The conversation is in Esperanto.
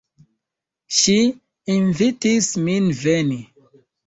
Ŝi invitis min veni.